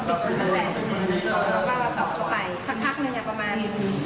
ก็คือประมาณว่าแยกทางกันเขาก็ไม่อยากไปต่อ